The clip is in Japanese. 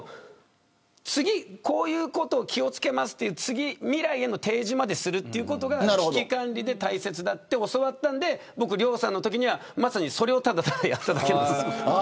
次こういうことを気をつけますと未来への提示までするということが危機管理で大切だと教わったので亮さんのときにはそれをやっただけなんです。